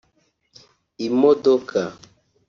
imodoka